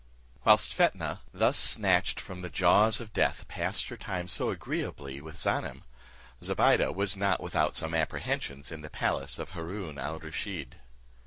Whilst Fetnah, thus snatched from the jaws of death, passed her time so agreeably with Ganem, Zobeide was not without some apprehensions in the palace of Haroon al Rusheed.